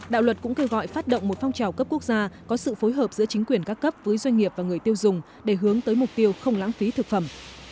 đạo luật cũng kêu gọi phát động một phong trào cấp quốc gia có sự phối hợp giữa chính quyền các cấp với doanh nghiệp và người tiêu dùng để hướng tới mục tiêu không lãng phí thực phẩm